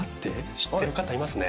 知ってる方いますね。